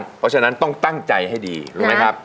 เพราะฉะนั้นต้องตั้งใจให้ดีรู้ไหมครับ